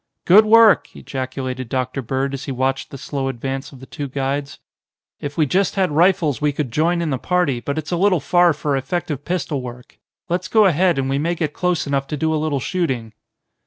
"Good work!" ejaculated Dr. Bird as he watched the slow advance of the two guides. "If we just had rifles we could join in the party, but it's a little far for effective pistol work. Let's go ahead, and we may get close enough to do a little shooting."